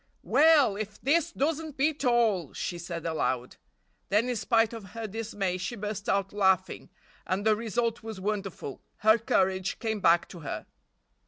"Well, if this doesn't beat all!" she said aloud. Then in spite of her dismay she burst out laughing, and the result was wonderful—her courage came back to her.